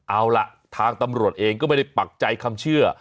เอาล่ะทางตำรวจเองก็ไม่ได้ปักใจคำเชื่อ